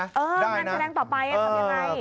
เอองานแชร์แรงต่อไปทำยังไง